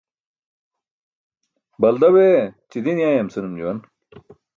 Balda bee ćidin yayam, senum juwan.